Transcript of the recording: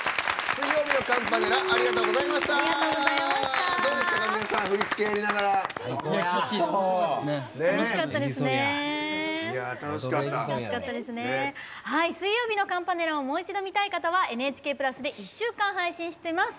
水曜日のカンパネラをもう一度見たい方は「ＮＨＫプラス」で１週間配信してます。